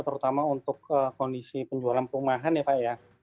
terutama untuk kondisi penjualan perumahan ya pak ya